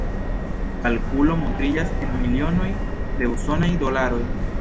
Kalkulo montriĝas en milionoj de usonaj dolaroj.